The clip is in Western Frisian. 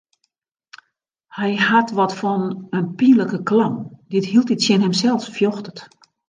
Hy hat wat fan in pynlike clown dy't hieltyd tsjin himsels fjochtet.